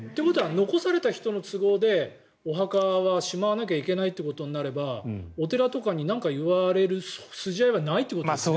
残された人の都合でお墓はしまわなきゃいけないとなればお寺とかに何か言われる筋合いはないということですよね。